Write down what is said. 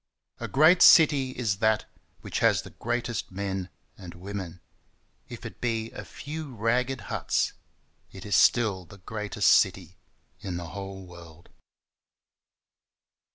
A great city is that which has the greatest men and women, If it be a few ragged huts it is still the greatest city in the whole world.